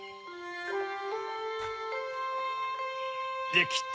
できた！